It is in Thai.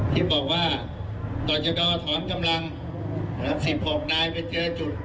ที่บอกว่าต่อชะดอถอนกำลัง๑๖นายไปเจอจุด